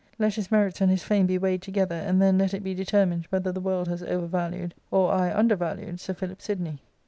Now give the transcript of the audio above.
Let his merits and his fame be weighed together, and then let it be determined whether the world has over valued or I under valued Sir Philip Sidney."